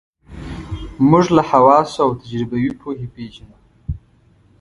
موږ له حواسو او تجربوي پوهې پېژنو.